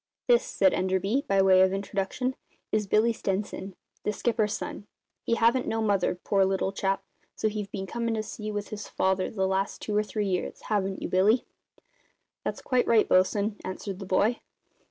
"This," said Enderby, by way of introduction, "is Billy Stenson, the skipper's son. He haven't no mother, pore little chap, so he've been comin' to sea with his father the last two or three years, haven't you, Billy?" "Yes, that's quite right, bosun," answered the boy.